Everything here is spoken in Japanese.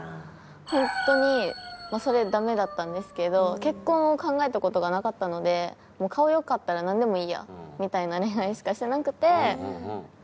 本当にそれダメだったんですけど結婚を考えた事がなかったのでもう顔良かったらなんでもいいやみたいな恋愛しかしてなくて。